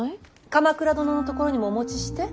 鎌倉殿のところにもお持ちして。